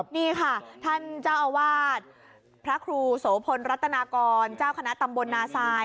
นี่ค่ะท่านเจ้าอาวาสพระครูโสพลรัตนากรเจ้าคณะตำบลนาซาย